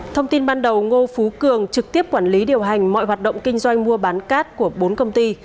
thông tin ban đầu ngô phú cường trực tiếp quản lý điều hành mọi hoạt động kinh doanh mua bán cát của bốn công ty